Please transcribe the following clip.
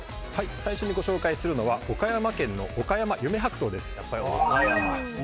最初にご紹介するのは岡山県のおかやま夢白桃です。